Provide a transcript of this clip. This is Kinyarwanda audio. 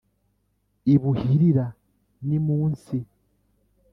ibuhirira nimunsi